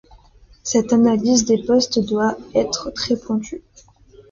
Cette analyse des postes doit être très pointue.